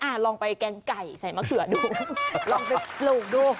ลองไปแกงไก่ใส่มะเขือดูลองไปปลูกดู